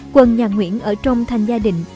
quân nhà nguyễn ở trong thành gia định